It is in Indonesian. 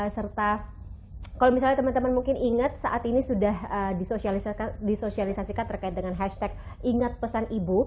serta kalau misalnya teman teman mungkin ingat saat ini sudah disosialisasikan terkait dengan hashtag ingat pesan ibu